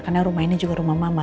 karena rumah ini juga rumah mama